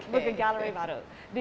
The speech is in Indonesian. buka galeri baru